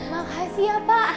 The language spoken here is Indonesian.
makasih ya pak